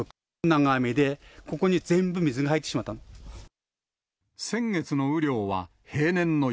長雨でここに全部水が入ってしまったの。